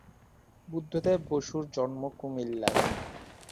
বুদ্ধদেব বসুর জন্ম কুমিল্লায়।